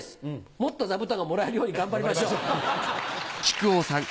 もっとざぶとんがもらえるようにがんばりましょう」。